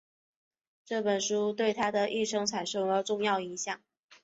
这本书对他的一生产生了重要影响。